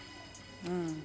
うん。